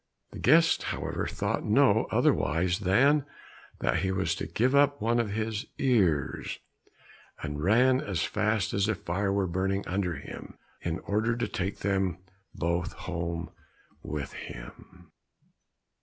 The guest, however, thought no otherwise than that he was to give up one of his ears, and ran as if fire were burning under him, in order to take them both home with him.